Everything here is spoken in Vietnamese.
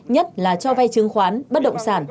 nhất là cho vay chứng khoán bất động sản